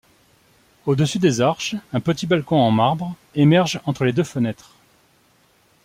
Au-dessus des arches, un petit balcon en marbre émerge entre les deux fenêtres.